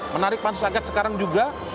menarik pansus angket sekarang juga